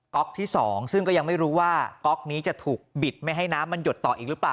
๊อกที่๒ซึ่งก็ยังไม่รู้ว่าก๊อกนี้จะถูกบิดไม่ให้น้ำมันหยดต่ออีกหรือเปล่า